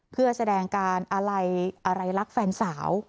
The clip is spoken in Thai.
เพื่อแสดงการอะไรรักแฟนสาว